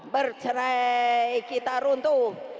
bercenai kita runtuh